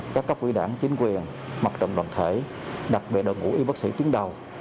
các cấp quỹ đảng chính quyền mặt trận đoàn thể đặc biệt đội ngũ y bác sĩ tuyến đầu